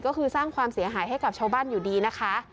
ก็คือสร้างความเสียหายให้กับชาวบ้านอยู่ดีนะคะ